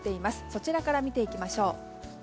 そちらから見ていきましょう。